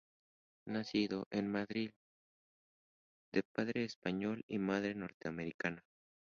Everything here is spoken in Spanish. Nacido en Madrid, de padre español y madre norteamericana.